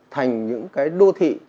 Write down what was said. thành những cái đô thị